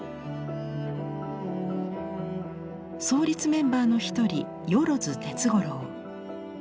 創立メンバーの一人萬鐵五郎。